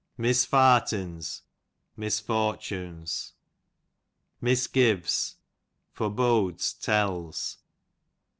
Misfartins, misfortunes. Misgives, forebodes, t^lls.